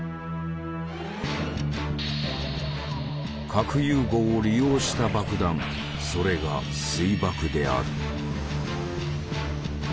核融合を利用した爆弾それが「水爆」である。